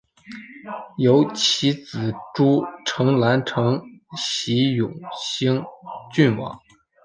由其子朱诚澜承袭永兴郡王。